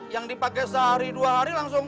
yang dipakai sehari dua hari langsung